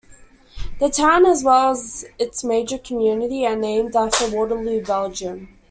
The town, as well as its major community, are named after Waterloo, Belgium.